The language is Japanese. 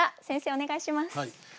先生お願いします。